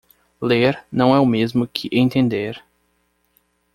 Ler não é o mesmo que entender.